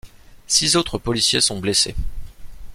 Six autres policiers sont blessés.